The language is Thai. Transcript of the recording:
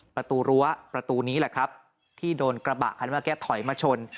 ประตูรั้วประตูนี้แหละครับที่โดนกระบะคันเมื่อกี้ถอยมาชน